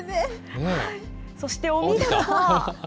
そして、お見事。